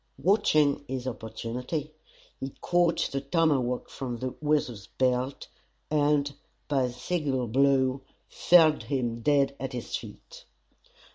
Watching his opportunity, he caught the tomahawk from the Weasel's belt, and by a single blow, felled him dead at his feet.